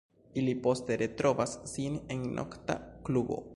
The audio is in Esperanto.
Ili poste retrovas sin en nokta klubo.